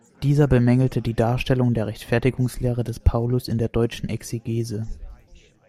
Dieser bemängelte die Darstellung der Rechtfertigungslehre des Paulus in der deutschen Exegese.